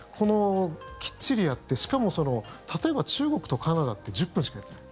きっちりやってしかも、例えば中国とカナダって１０分しかやってない。